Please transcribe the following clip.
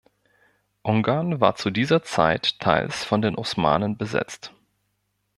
Ungarn war zu dieser Zeit teils von den Osmanen besetzt.